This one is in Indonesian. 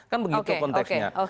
kan begitu konteksnya